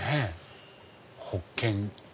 保険！